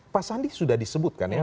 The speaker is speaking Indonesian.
pak sandi sudah disebutkan ya